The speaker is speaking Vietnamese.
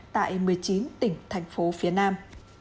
tại một mươi chín tỉnh thành phố phía nam